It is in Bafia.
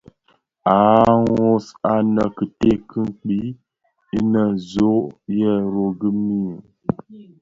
Àa nwos anè kite kì kpii, inè zòò yëë rôôghi mii.